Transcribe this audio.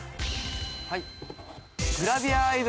はい。